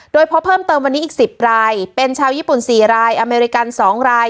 โดยพบเพิ่มเติมวันนี้อีก๑๐รายเป็นชาวญี่ปุ่น๔รายอเมริกัน๒ราย